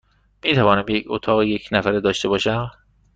می توانم یک اتاق یک نفره داشته باشم؟